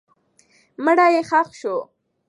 مړی یې ښخ سو.